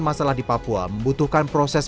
masalah di papua membutuhkan proses